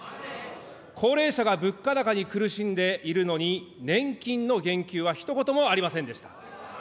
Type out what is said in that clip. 高齢者が物価高に苦しんでいるのに、年金の言及は、ひと言もありませんでした。